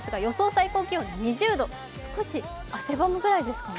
最高気温２０度少し汗ばむぐらいですかね。